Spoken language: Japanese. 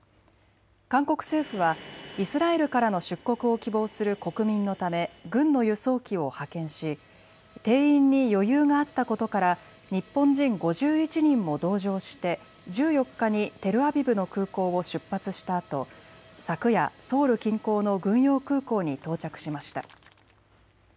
韓国政府はイスラエルからの出国を希望する国民のため軍の輸送機を派遣し定員に余裕があったことから日本人５１人も同乗して１４日にテルアビブの空港を出発したあと、昨夜ソウル近郊の軍用空港に到着しました。